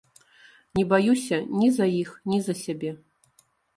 Не баюся ні за іх, ні за сябе.